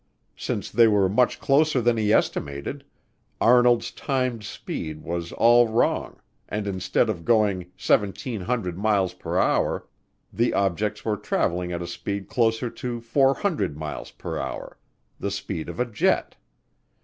Since they were much closer than he estimated, Arnold's timed speed was all wrong and instead of going 1,700 miles per hour the objects were traveling at a speed closer to 400 miles per hour, the speed of a jet.